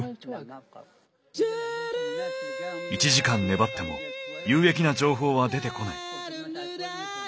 １時間粘っても有益な情報は出てこない。